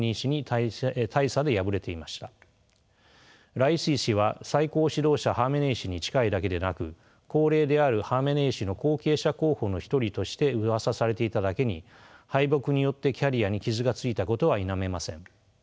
ライシ師は最高指導者ハーメネイ師に近いだけでなく高齢であるハーメネイ師の後継者候補の一人としてうわさされていただけに敗北によってキャリアに傷がついたことは否めません。